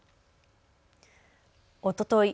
おととい